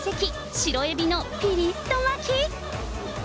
白えびのぴりっと巻き。